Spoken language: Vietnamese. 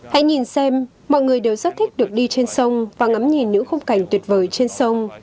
hãy nhìn xem mọi người đều rất thích được đi trên sông và ngắm nhìn những khung cảnh tuyệt vời trên sông